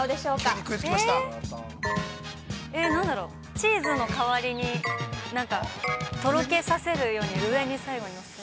◆チーズのかわりに、なんか、とろけさせるように上に最後にのせる。